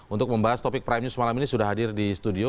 untuk membahas topik prime news malam ini sudah hadir di studio